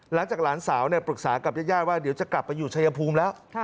หลานสาวปรึกษากับญาติว่าเดี๋ยวจะกลับไปอยู่ชายภูมิแล้ว